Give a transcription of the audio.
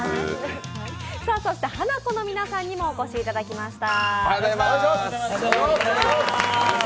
そして、ハナコの皆さんにもお越しいただきました。